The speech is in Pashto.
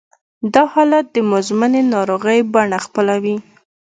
دا حالت د مزمنې ناروغۍ بڼه خپلوي